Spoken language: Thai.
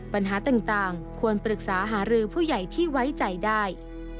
ปัญหาต่างควรปรึกษาหารือผู้ใหญ่ที่ไว้ใจได้